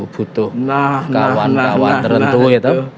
butuh kawan kawan tertentu gitu